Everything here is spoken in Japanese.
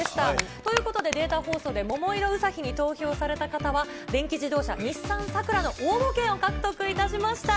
ということでデータ放送で桃色ウサヒに投票された方は、電気自動車、日産サクラの応募権を獲得しました。